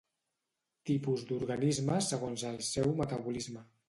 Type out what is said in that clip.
Tipus d'organismes segons el seu metabolisme.